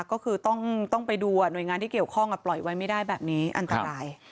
ก็คือต้องไปดูหน่วยงานที่เกี่ยวข้องปล่อยไว้ไม่ได้แบบนี้อันตราย